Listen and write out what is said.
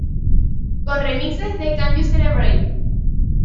Con remixes de "Can You Celebrate?